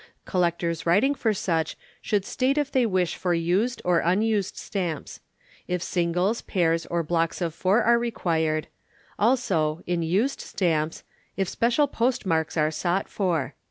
Collectors writing for such should state if they wish for Used or Unused Stamps; if singles, pairs, or blocks of 4 are required; also, in Used Stamps, if special Postmarks are sought for.